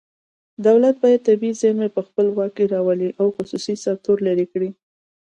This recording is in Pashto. دولت باید طبیعي زیرمې په خپل واک کې راولي او خصوصي سکتور لرې کړي